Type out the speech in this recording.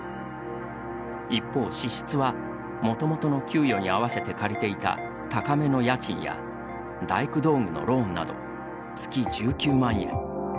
一方、支出は、元々の給与に合わせて借りていた高めの家賃や大工道具のローンなど月１９万円。